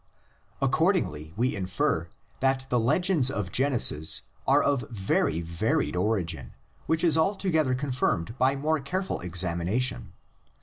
Accordingly we infer that the legends of Genesis are of very varied origin, which is altogether con firmed by more careful examination.